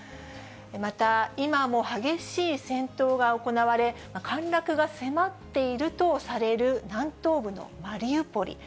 また、今も激しい戦闘が行われ、陥落が迫っているとされる南東部のマリウポリ。